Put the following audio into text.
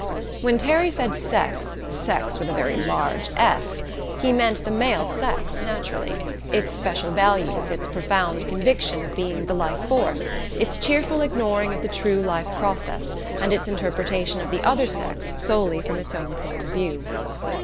When Terry said Sex, sex with a very large S, he meant the male sex, naturally; its special values, its profound conviction of being "the life force," its cheerful ignoring of the true life process, and its interpretation of the other sex solely from its own point of view.